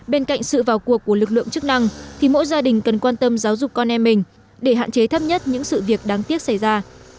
bên cạnh sự vào cuộc của lực lượng chức năng thì mỗi gia đình cần quan tâm giáo dục con em mình để hạn chế thấp nhất những sự việc đáng tiếc xảy ra